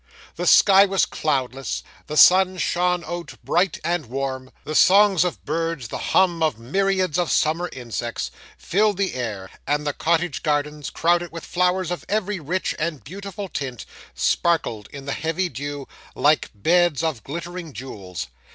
The sky was cloudless; the sun shone out bright and warm; the songs of birds, the hum of myriads of summer insects, filled the air; and the cottage gardens, crowded with flowers of every rich and beautiful tint, sparkled, in the heavy dew, like beds of glittering jewels.